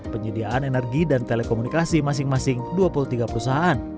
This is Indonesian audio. penyediaan energi dan telekomunikasi masing masing dua puluh tiga perusahaan